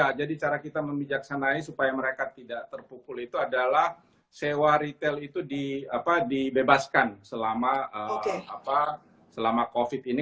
ya jadi cara kita memijaksanai supaya mereka tidak terpukul itu adalah sewa retail itu dibebaskan selama covid ini